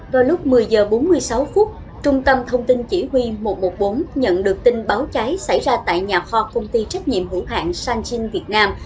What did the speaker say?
vào lúc một mươi h bốn mươi sáu phút trung tâm thông tin chỉ huy một trăm một mươi bốn nhận được tin báo cháy xảy ra tại nhà kho công ty trách nhiệm hữu hạng sanchin việt nam